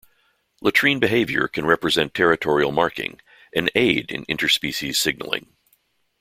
Latrine behavior can represent territorial marking and aid in interspecies signaling.